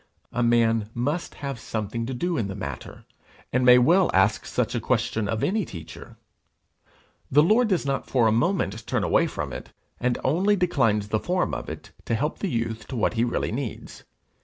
A man must have something to do in the matter, and may well ask such a question of any teacher! The Lord does not for a moment turn away from it, and only declines the form of it to help the youth to what he really needs.